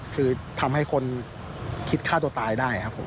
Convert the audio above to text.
คือทำให้คนคิดฆ่าตัวตายได้ครับผม